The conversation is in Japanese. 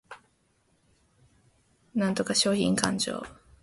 繰越商品勘定